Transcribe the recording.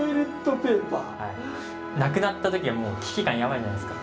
なくなった時危機感やばいじゃないですか。